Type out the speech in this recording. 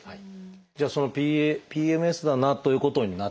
じゃあそのＰＭＳだなということになった。